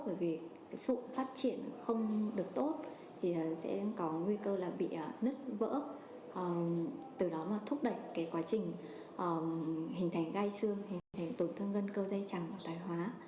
bởi vì sụn phát triển không được tốt thì sẽ có nguy cơ bị nứt vỡ từ đó mà thúc đẩy quá trình hình thành gai sương hình thành tổn thương gân cơ dây chẳng của thói hóa